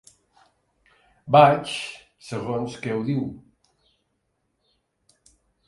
Vaig, segons que ho diu.